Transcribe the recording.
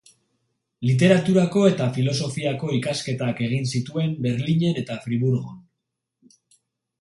Literaturako eta Filosofiako ikasketak egin zituen Berlinen eta Friburgon.